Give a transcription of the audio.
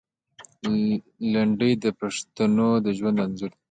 لنډۍ د پښتنو د ژوند انځور دی.